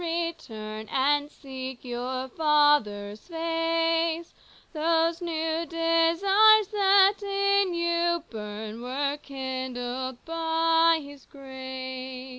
return, And seek your Father's face : Those new desires that in you burn Were kindled by His grace.